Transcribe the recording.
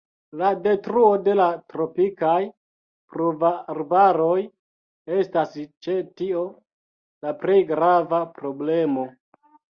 La detruo de la tropikaj pluvarbaroj estas ĉe tio la plej grava problemo.